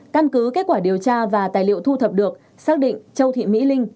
căn cứ kết quả điều tra và tài liệu thu thập được xác định châu thị mỹ linh